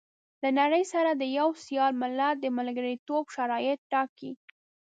له نړۍ سره د يوه سيال ملت د ملګرتوب شرايط ټاکي.